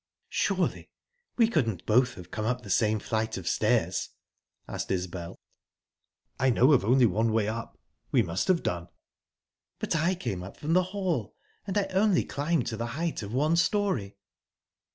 "Surely we couldn't both have come up the same flight of stairs?" asked Isbel. "I know of only one way up. We must have done." "But I came up from the hall, and I only climbed to the height of one storey."